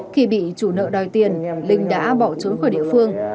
khi bị chủ nợ đòi tiền linh đã bỏ trốn khỏi địa phương